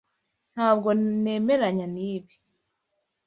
Ntabwo nemeranya nibi.